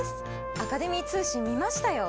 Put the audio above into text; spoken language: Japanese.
アカデミー通信見ましたよ。